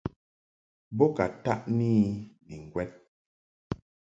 Bo ka taʼni I ni ŋgwɛd.